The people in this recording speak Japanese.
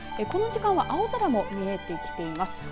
この時間は青空も見えてきています。